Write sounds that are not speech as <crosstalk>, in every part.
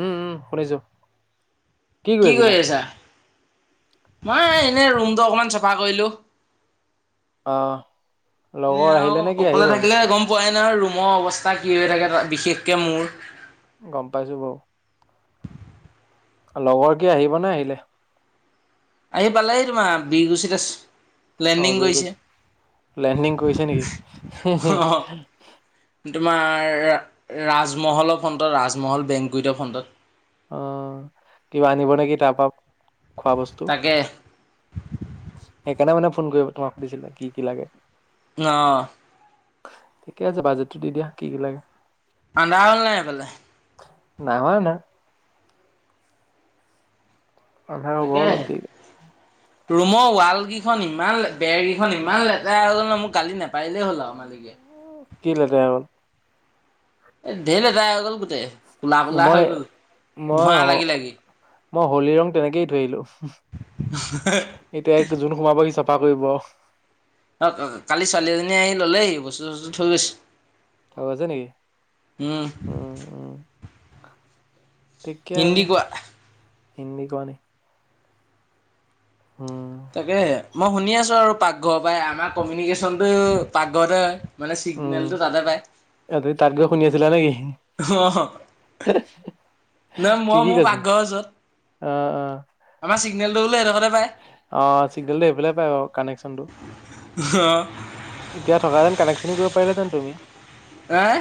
উম উম শুনিছোঁ। কি কৰি আছা? মই এনে ৰুমটো অকমান চাফা কৰিলো। অ', লগৰ এনে আহিলে আৰু নে কি অকলে আহিবহে থাকিলে গম পোৱাই। আৰু ৰুমৰ অৱস্থা কি হৈ থাকে তাত বিশেষকে মোৰ গম পাইছোঁ বাৰু। লগৰ কি আহিব নে আহিলে? আহি পালেহি তোমাৰ বি গুচিত আছে অ লেণ্ডিং ভেৰিকুড কৰিছে লেণ্ডিং কৰিছে নেকি হে হে। অ' তোমাৰ ৰা ৰাজমহলৰ ফ্ৰণ্টত ৰাজমহল বেংক গুইতৰ ফ্ৰণ্টত। অ কিবা আনিব নেকি তাপা, খোৱা বস্তু। তাকে সেইকাৰণে মানে ফোন কৰিব তোমাক সুধিছিলে কি কি লাগে? অ ঠিকে আছে বাজেটটো দি দিয়া কি কি লাগে। আন্ধাৰ হ'ল নাই সেইফালে নাই হোৱা না আন্ধাৰ হ'ব অলপ তাকেহে দেৰীকে ৰুমৰ ৱাল কেইখন ইমান বেৰ কেইখন ইমান লেতেৰা হৈ গ'ল ন মোৰ গালি নে পাৰিলেই হ'ল আৱ মালিকে। কি লেতেৰা হ'ল এ ধেই লেতেৰা হৈ গ'ল গোটে, কোলা কোলা মই হৈ গ'ল মই ধোঁৱা লাগি লাগি মই হলি ৰং তেনেকৈয়ে এৰি থৈ আহিলোঁ। হোমহ হো এতিয়া যোন সোমাব সি চা চাফা কৰিব। অ কালি ছোৱালী এজনীয়ে আহি ললেহি বস্তু চস্তু থৈ গৈছে। থৈ গৈছে নেকি উম উম ঠিকে হিন্দী আছে। কোৱা হিন্দী কোৱা নি উম, তাকে মই শুনি আছোঁ আৰু পাকঘৰ পাই, আমাৰ কমিউনিকেচনটো পাকঘৰতে হয়। মানে উম, চিগনেলটো তাতে পায়। এ তুমি তাত গৈ শুনি আছিলা নেকি? অঁহ <unintelligible> ন মই কি মোৰ কৈছে? পাকঘৰ ওচৰত, অ', অ', আমাৰ চিগনেলটো বোলে এইদখতে অ চিগনেলটো সেইফালে পায় বাৰু কানেকচনটো। অ এতিয়া থকা হেতেন কানেকচনো কৰিব পাৰিলা হেতেন তুমি। এহ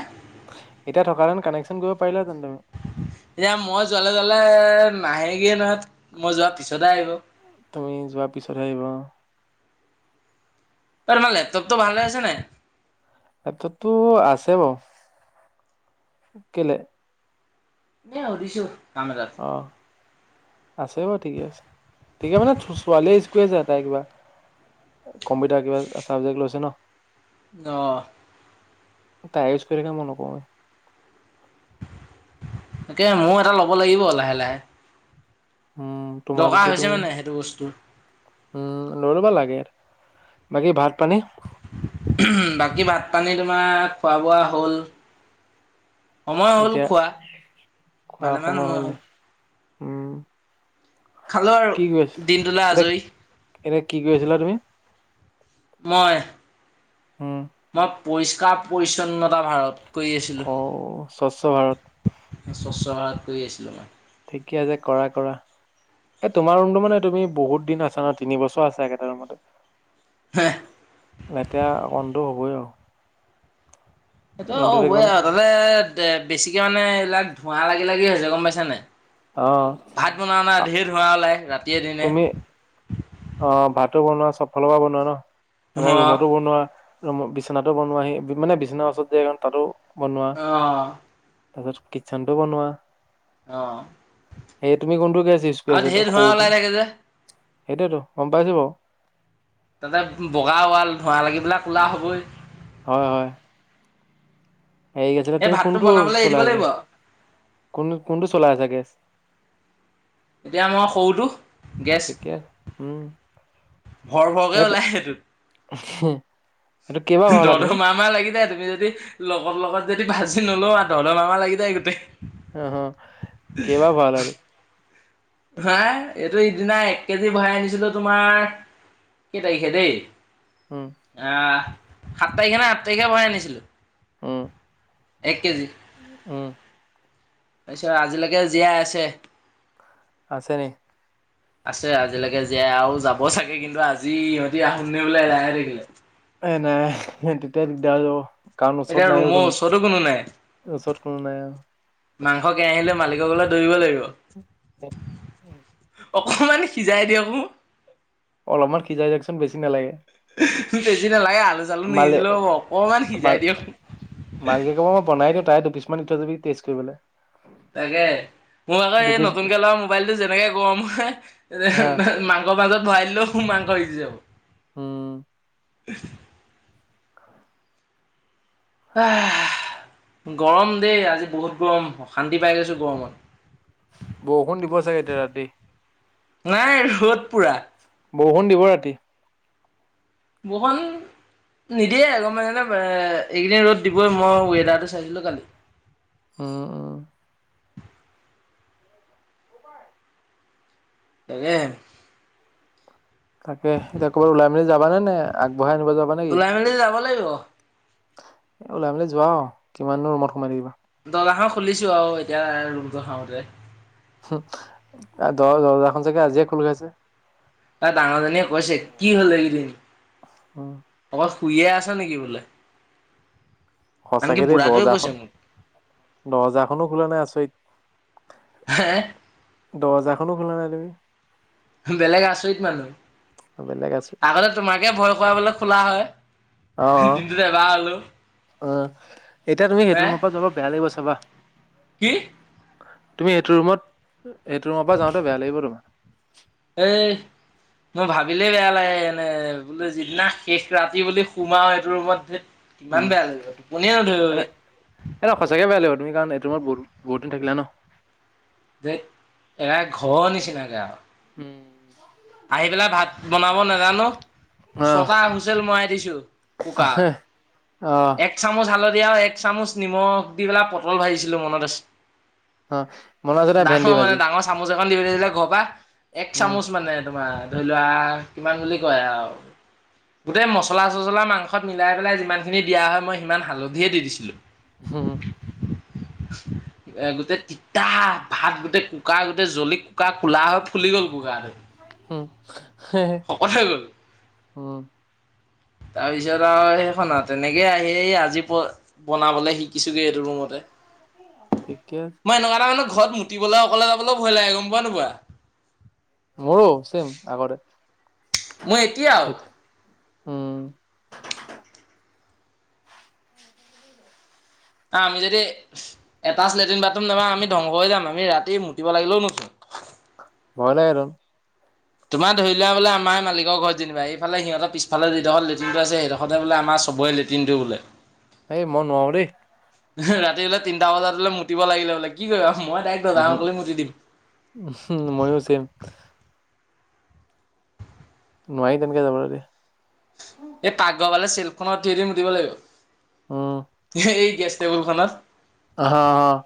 এতিয়া থকা হেতেন কানেকচন কৰিব পাৰিলা হ এতিয়া মই যোৱা জলে নাহেগেই নহয় মই যোৱাৰ পিছতে আহিব। তুমি যোৱাৰ পিছতহে আহিব অ তোমাৰ লেপটপটো ভাল হৈ আছে নাই। সেইটোতো আছে বাৰু কেলে? এই সুধিছো কাম এটাত অ'। আছে বাৰু ঠিকে আছে ঠিকে মানে ছোৱালীয়ে কৰি আছে তাই কিবা, কম্পিউটাৰ কিবা চাবজেক্ট লৈছে ন অহ তাই ইউজ কৰি থাকে, মই নকৰোঁৱে। তাকে মও এটা ল'ব লাগিব লাহে লাহে উম, দৰকাৰ তোমাৰটোতো হৈছে তুমি মানে সেইটো বস্তুৰ উম, লৈ লবা লাগে এটা বাকী ভাত পানী উমহ বাকি ভাত পানী তোমাৰ খোৱা বোৱা হ'ল সময় হ'ল এতিয়া খোৱা, ভালেমান সময় হ'ল। উম। খালো আৰু কি কৰি আছিলা? দিনটোলে এতিয়া আজৰি এতিয়া কি কৰি আছিলা তুমি? মই উম। মই পৰিষ্কাৰ পৰিচ্ছন্নতা ভাৰত কৰি আছিলোঁ অ স্বচ্ছ ভাৰত। স্বচ্ছ ভাৰত কৰি আছিলোঁ মই। কি আছে কৰা কৰা। এ তোমাৰ ৰুমতটো মানে তুমি বহুত দিন আছা। ন তিন বছৰ আছা একেটা ৰুমতে। <inaudible> লেতেয়া অকণটো হ'বই আৰু- এইটো ৰুমটোতে হ'বইে কিমান আৰু তাতে বেছিকে মানে এইবিলাক ধোঁৱা লাগি লাগি হৈছে গম পাইছা নাই? অ ভাত বনোৱা নাই আ- ঢেৰ ধোঁৱ ওলাই ৰাতিয়ে দিনে। তুমি অ' ভাতো বনোৱা। চব ফালৰ পৰা বনোৱা। ন মানে ধোঁৱা ৰুমতো বনোৱা ৰ বিচনাতটো বনোৱা সেই য'ত মানে বিচনাৰ ওচৰত যে ৰতাতো আহ তাৰ পিছত কিটচেন টো বনোৱা। অ সেই তুমি কোনটো গেছ ইউচ কৰি আৰু আছা? ঢেৰ ধোঁৱা সৰুটো ওলাই থাকে যে সেইটোৱেতো গম পাইছোঁ বাৰু তাতে বগা ৱাল ধোঁৱা লাগিপেলাই ক'লা হ'বই। এই এতিয়া তুমি ভাতটো কোনটো বনাবলৈ এৰি দিব চলাই আছা, লাগিব আৰু কোন কোনটো চলাই আছা গেছ এতিয়া মই সৰুটো ঠিকে আছে গেছ উম ভৰ ভৰকে ওলাই সেইটোত। হে ধ ধ মা মা লাগি যায় তো তুমি যদি লগৰ লগত যদি ভাজি নলওঁ। আও ধৰ ধৰ মাৰ মাৰ লাগি যায় গোটেই। আহ হ কেইবা ভাল হ'ল? হা এইটো সিদিনা এক কেজি ভৰাই আনিছিলো। তোমাৰ কেই তাৰিখে দেই, উম আহ সাত তাৰিখে না আঠ তাৰিখে ভৰাই আনিছিলো। হ'ম। এক কেজি উম। তাৰপিছত আজিলৈকে জীয়াই আছে? আছে নেকি? আছে আজিলৈকে জীয়াই আৰু যাব চাগে কিন্তু আজি সিহঁতি আহঙে বোলে এদাইহৈ থাকিব। এ নাই তেতিয়া দিগদাৰ হৈ যাব। কাৰণ এতিয়া ওচৰত নাইযে। ৰুমৰ কোনো ওচৰতো নাই ওচৰত কোনো নাই আৰু মাংস কেৰাহী লৈ মালিক ঘৰলে দৌৰিব লাগিব। <unintelligible> অকমান সিজাই দিয়ক। অলপমান সিজাই চাওঁকচোন বেছি নালাগে। বেছি নালাগে আলু-চালু মালে নিহিজিলো অকমান সিজাই দিয়ক। মালকী কব মই বনাই দিওঁ তাই দুপিছমান ই থৈ যাবি টেষ্ট কৰিবলৈ। তাকে। মোৰ আকৌ এই দুপিছ নতুনকে লোৱা মোবাইলটো যেনেকে গৰম হয়, এ হা মাংসৰ মাজত। ভৰাই দিলো মাংস সিজি যাব। উম! <unintelligible> <unintelligible> গৰম দেই আজি বহুত গৰম, অশান্তি পাই গৈছোঁ গৰমত। বৰষুণ দিব চাগে এতিয়া ৰাতি। নাই ৰ'দ পোৰা। বৰষুণ দিব ৰাতি। বহন নিদিয়ে গম পাইছা নে? মানে এইকেইদিন ৰ'দ দিবই মই ৱেডাৰটো চাইছিলো কালি। উম উম। তাকে। তাকে এতিয়া ক'ৰবাত ওলাই মেলি যাবানে নে আগবঢ়াই আনিব যাবা নে কি। ওলাই মেলি যাব লাগিব এ ওলাই মেলি যোৱা কিমান দিনৰ ৰুমত সোমাই থাকিবা। দৰ্জাখন খুলিছো আৰু এতিয়া ৰুমটো সাৰোঁতে দহ দৰ্জাখন চাগে আজিয়ে খোল খাইছে তাই ডাঙৰজনীয়ে কৈছে কি হল এদিন উম, অ। শুইয়ে আছ নেকি বোলে আনকি সঁচাকে দেই বুঢ়াটোৱে কৈছে দজাৰখন মোক দজাৰখনো খোলা নাই আছৰিত হে। দজাৰখনো খোলা নাই তুমি বেলেগ আচৰিত মানুহ বেলেগ আছো আগতে তোমাকে ভয় খোৱাবলে খোলা হয়। অ দিনটোতে এবাৰ হলো অ এতিয়া তুমি সেইটো ৰুমৰ পৰা যাব বেয়া লাগিব চাবা। কি তুমি এইটো ৰুমত এইটো ৰুমৰ পৰা যাওঁতে বেয়া লাগিব তোমাৰ এই। মোৰ ভাবিলেই বেয়া লাগে এনে বোলে যিদিনা শেষ ৰাতি বুলি সোমাও সেইটো ৰুমত ধেইত কিমান উম বেয়া লাগে তুপনি নধৰিবগে। এ ন সঁচাকে বেয়া লাগিব তুমি কাৰণ এইটো ৰুমত বহুত বহুত দিন থাকিলা ন। যে এৰা ঘৰ নিচিনাকৈ আৰু উম আহি পেলাই ভাত বনাব নাজানো। অহ ছটা হুইচেল মই দিছো কুকাত। অহ এক চামুচ হালধি আৰু এক চামুচ নিমখ দি পেলা পটল ভাজিছিলো মনত আছে অ মন আছে নাই ভেন্দি ডাঙৰ মানে ভাজি ডাঙৰ চামুচ এখন দি পঠাইছে ঘৰ পা এক উম চামুচ মানে তোমাৰ ধৰি লোৱা কিমান বুলি কয় আৰু গোটেই মচলা চচলা মাংসত মিলাই পেলাই যিমান খিনি দিয়া হয় মই সিমান হালধিয়ে দি দিছিলোঁ হুম। এ গোটেই তিতা ভাত গোটেই কুকাৰ গোটেই জ্বলি কুকাৰ খোলা হৈ ফুলি গ'ল কুকাৰটো উম। শকত হৈ গল। উ তাৰ পিছত আৰু সেইখন তেনেকে আহি আজি প বনাবলৈ শিকি কিছোগে এইটো ৰুমতে ঠিকে আছে মই এনেকুৱা এটা মানুহ। ঘৰত মুতিবলৈ অকলে যাবলৈ ভয় লাগে গম পোৱা নোপোৱা মোৰো চেম আগৰে মই এতিয়াও সেই আমি যদি এটা লেট্ৰিন বাথৰুম নাপাওঁ আমি ধ্বংস হৈ যাম আমি ৰাতি মুতিব লাগিলেও নুথো। ভয় লাগে টো তোমাৰ ধৰিলোৱা বোলে আমাৰ মালিকৰ ঘৰত যেনিবা এইফালে সিহঁৰ পিছফালে যিদখত লটিনটো আছে সেইডখতে বোলে আমাৰ চবৰে লেট্ৰিনটোৱে বোলে। এ মই নোৱাৰো দেই ৰাতি বোলে তিনিটা বজাত হলে মুতিব লাগিলে বোলে কি কৰিবা মই দাৰেক উহু, দৰ্জাখন খুলি মুতি উহু, ময়ো চেম দিম নোৱাৰি তেনেকে যাবলে দে। এই পাগঘৰ ফালে চিলখনত উঠি উঠি মুতিব উম, লাগিব এই গেছ টেবুল আহা আহা খনাত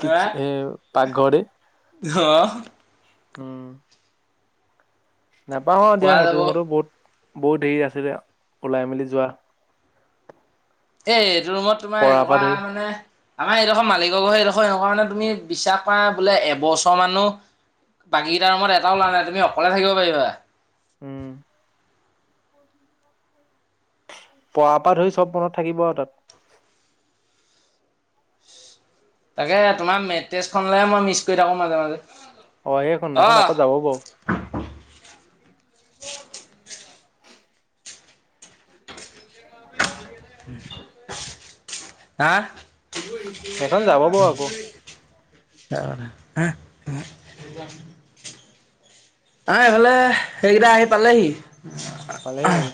কি সে পাকঘৰতে অ উম। নাপাহো অ দিয়া পৰা সেইটো যাব। ৰুমতো বহুত বহুত দেৰি আছিল ওলাই মেলি যোৱা এ এইটো ৰুমত তোমাৰ পঢ়াৰ পৰা এনেকুৱা ধৰি মানে। আমাৰ সেইডোখৰ মালিকৰ ঘৰ সেইডোখৰ সনে কাৰণে তুমি বিশ্বাস কৰা বোলে এবছৰ মানো বাকীকেইটাৰ ৰুমত এটাও লৱা নাই তুমি অকলে থাকিব পাৰিবা উম পৰা পা ধৰি চব মনত থাকিব আৰু তাত। তাকে তোমাৰ মেট্ৰজ খলেহে মই মিচ কৰি থাকো মাজে মাজে অ, সেইখন এখন অহ আকৌ যাব বাৰু। <inaudible> হাহ। সেইখন যাব বাৰু আকৌ কাৰ <unintelligible> <unintelligible> অহ, আহ, হলে সেইকেইটা আহি পালেহি। পালেহি নেকি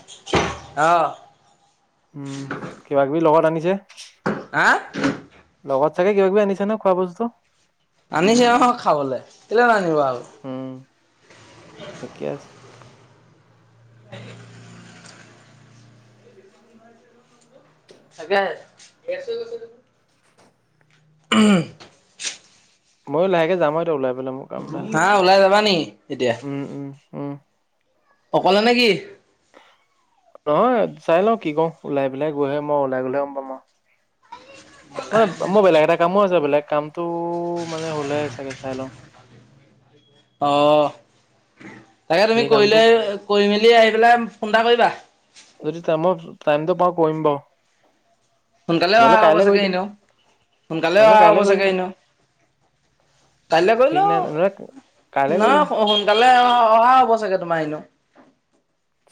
অ', <unintelligible> উম, কিবা কিবি লগত আনিছে। হা। লগত চাগে কিব কিবি আনিছে ন খোৱা বস্তু। আনিছে অ, খাবলৈ কেলে ন আনিব আও। থিকে আছে। <unintelligible> তাকে উম ময়ো লাহে যাম এতি ওলাই। পেলাই মোৰ কাম এটা আছে হা ওলাই যাবা নি এতিয়া। উম, উম, উম অকলে নে কি? নহয় চাই ল কি কও ওলাই পেলাই গৈহে মই ওলাই গলেহে গম পাম আও। মানে মোৰ বেলেগ এটা কামো আছে বেলেগ কামটো মানে হলে চাগে চাই লও। অ, তাকে তুমি সেই কৰিলে কামটোক কৰি মেলি আহি পেলাই ফোন এটা কৰিবা। যদি টাইমই টাইমটো পাও কৰিম বাৰু। সোনকালে অহা হ'ব চাগে এনেও - সোনকালে নহ'লে অহা হ'ব কাইলে কৰি চাগে দিম এন‌ও। কালৈ ঠিক গলেও নাই নহ'লে কাইলে কৰি দিম। নহ সোনকালে অ, অহা হ'ব চাগে তোমাৰ এনো।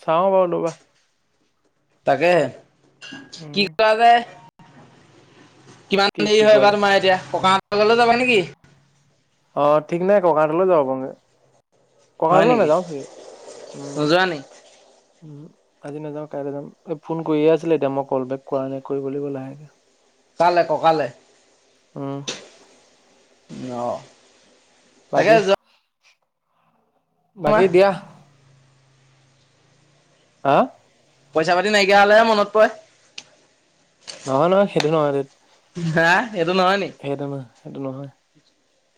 চাও বাৰু ৰবা। তাকে কি উম কৰা যায়। কি কিমান দেৰি কি হয় কয় এইবাৰ তোমাৰ এতিয়া ককা গও যাবা নেকি। অ, ঠিক নাই ককাটলৈ যাব পাৰো মানে। হয় ককালৈ নেকি নাযাও চাগে উম, নোযোৱা নি উম, আজি নাযাও কাইলৈ যাম ফোন কৰিয়ে আছিলে এতিয়া মই কল বেক কৰা নাই কৰিব লাগিব লাহেকে। কালে ককালে। উম অ', তাকে বাকী? যোৱা বাকী তোমাৰ দিয়া। হা পইচা পাতি নাইকিয়া হলেহে মনত পৰে। নহয় - নহয় সেইটো নহয়। হাহ। সেইটো নহয়- সেইটো নহয়।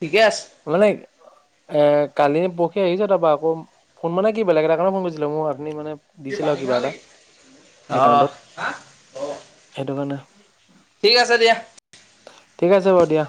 ঠিকে আছে। মানে। এ কালি পখী আহিছে তাৰপা আকৌ ফোন মানে কি বেলেগ এ তাৰ কাৰণে ফোন কৰিছিলে মোৰ অথনি মানে কি দিছিল আৰু পানী কিবা খাও এটা নেকি অ একাউণ্টত সেইটো কাৰণে ঠিক আছে দিয়া। ঠিক আছে বাৰু দিয়া।